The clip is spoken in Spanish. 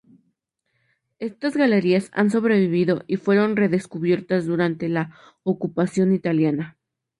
Estas galerías han sobrevivido y fueron redescubiertas durante la ocupación italiana.